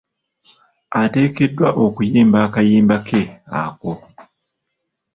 Ateekeddwa okuyimba kayimba ke ako.